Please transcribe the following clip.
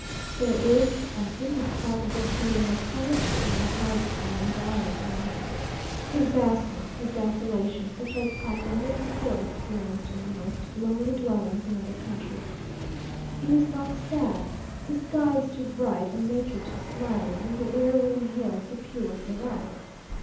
There is an indescribable feeling of solitude in all houses in the environs of Mexico, a vastness, a desolation, such as I never before experienced in the most lonely dwellings in other countries. It is not sad the sky is too bright, and nature too smiling, and the air we inhale too pure for that.